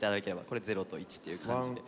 これ０と１っていう感じで。